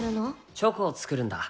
チョコを作るんだ。